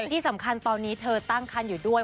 ที่สำคัญตอนนี้เธอตั้งคันอยู่ด้วย